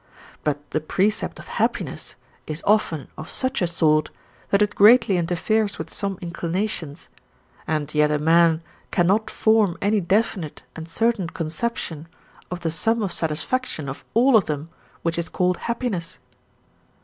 But the precept of happiness is often of such a sort that it greatly interferes with some inclinations, and yet a man cannot form any definite and certain conception of the sum of satisfaction of all of them which is called happiness.